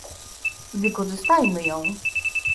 Wykorzystajmy ją